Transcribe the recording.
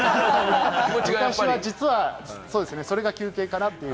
昔は実は、それが休憩かな？という。